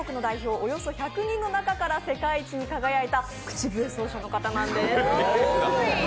およそ１００人の中から世界一に輝いた口笛奏者の方なんです。